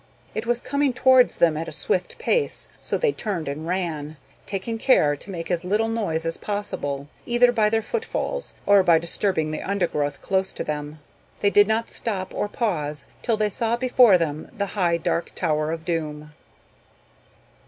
It was coming towards them at a swift pace, so they turned and ran, taking care to make as little noise as possible, either by their footfalls or by disturbing the undergrowth close to them. They did not stop or pause till they saw before them the high dark tower of Doom.